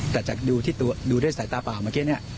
แต่จากดูด้วยสายตาเปล่าเมื่อกี้เนี่ย